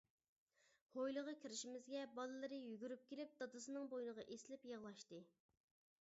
ھويلىغا كىرىشىمىزگە بالىلىرى يۈگۈرۈپ كېلىپ، دادىسىنىڭ بوينىغا ئېسىلىپ يىغلاشتى.